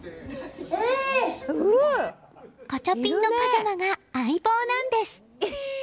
ガチャピンのパジャマが相棒なんです。